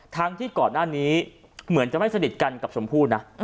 ทั้งที่ก่อนหน้านี้เหมือนจะไม่สนิทกันกับชมพู่นะ